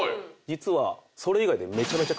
実は。